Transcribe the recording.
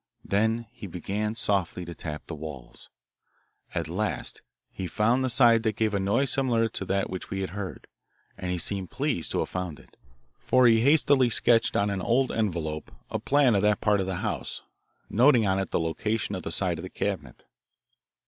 Then he began softly to tap the walls. At last he found the side that gave a noise similar to that which we had heard, and he seemed pleased to have found it, for he hastily sketched on an old envelope a plan of that part of the house, noting on it the location of the side of the cabinet.